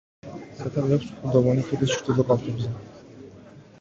სათავე აქვს კლდოვანი ქედის ჩრდილო კალთებზე.